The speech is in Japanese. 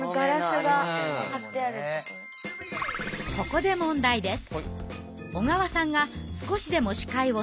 ここで問題です。